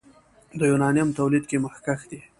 د یورانیم تولید کې مخکښ دی.